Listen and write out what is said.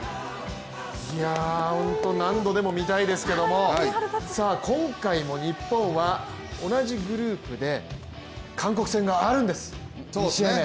何度でも見たいですけども今回も日本は同じグループで韓国戦があるんです、２試合目。